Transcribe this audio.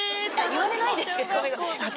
言われないですけど。